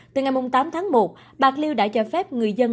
từ ngày tám tháng một bạc liêu đã cho phép người dân